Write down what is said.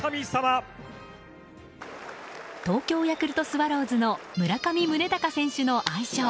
東京ヤクルトスワローズの村上宗隆選手の愛称。